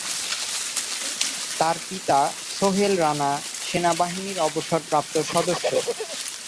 তার পিতা সোহেল রানা সেনাবাহিনীর অবসরপ্রাপ্ত সদস্য।